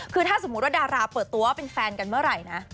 คือถ้าสมมุติว่าดาราเปิดตัวว่าเป็นแฟนกันเมื่อไหร่นะ